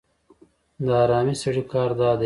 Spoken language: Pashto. د حرامي سړي کار دا دی.